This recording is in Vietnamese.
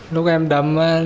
lúc em đâm